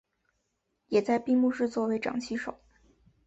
也在闭幕式作为掌旗手。